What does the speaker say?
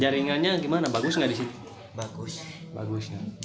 jaringannya gimana bagus nggak di situ bagusnya